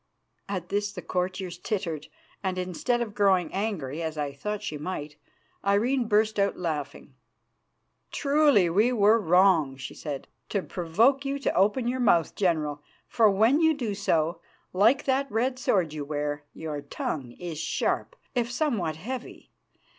At this the courtiers tittered, and, instead of growing angry, as I thought she might, Irene burst out laughing. "Truly we were wrong," she said, "to provoke you to open your mouth, General, for when you do so, like that red sword you wear, your tongue is sharp, if somewhat heavy.